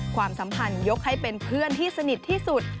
ความสัมพันธ์ยกให้เป็นเพื่อนที่สนิทที่สุด